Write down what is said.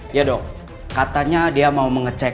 iya dok katanya dia mau mengecek